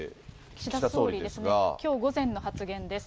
岸田総理ですが、きょう午前の発言です。